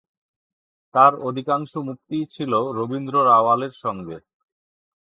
তাঁর অধিকাংশ মুক্তিই ছিল রবীন্দ্র রাওয়ালের সঙ্গে।